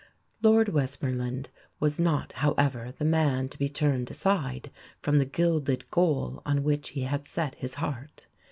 Lord Westmorland was not, however, the man to be turned aside from the gilded goal on which he had set his heart.